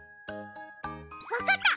わかった！